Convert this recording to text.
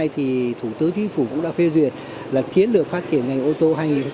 hai nghìn hai thì thủ tướng chính phủ cũng đã phê duyệt là chiến lược phát triển ngành ô tô hai nghìn một mươi bốn